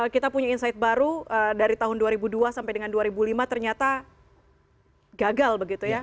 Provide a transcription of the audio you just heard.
kita punya insight baru dari tahun dua ribu dua sampai dengan dua ribu lima ternyata gagal begitu ya